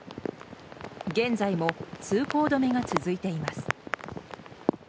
現在も通行止めが続いています。